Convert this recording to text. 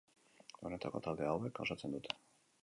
Honako talde hauek osatzen dute.